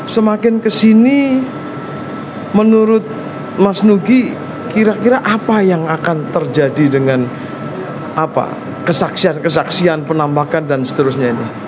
semakin kesini menurut mas nugi kira kira apa yang akan terjadi dengan kesaksian kesaksian penambakan dan seterusnya ini